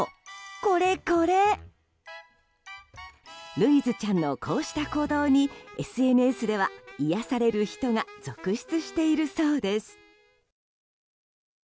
るいずちゃんのこうした行動にＳＮＳでは、癒やされる人が続出しているそうです。